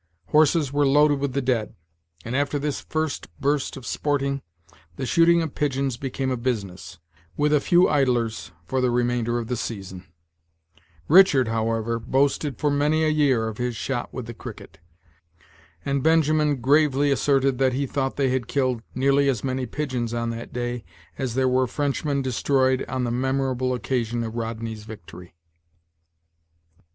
Horses were loaded with the dead; and, after this first burst of sporting, the shooting of pigeons became a business, with a few idlers, for the remainder of the season, Richard, however, boasted for many a year of his shot with the "cricket;" and Benjamin gravely asserted that he thought they had killed nearly as many pigeons on that day as there were Frenchmen destroyed on the memorable occasion of Rodney's victory.